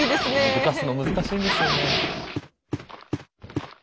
動かすの難しいんですよね。